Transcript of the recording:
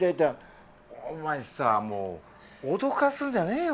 お前さもう脅かすんじゃねえよ